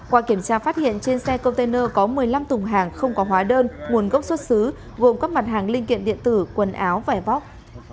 qua kiểm tra phát hiện trên xe container có một mươi năm tùng hàng không có hóa đơn nguồn gốc xuất xứ gồm các mặt hàng linh kiện điện tử quần áo vải vóc